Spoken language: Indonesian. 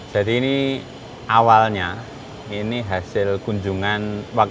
jadi ini awalnya hasil kunjungan